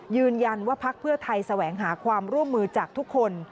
ยืนยันว่าภักดิ์เพื่อไทยแสวงหาความร่วมมือจากทุกคน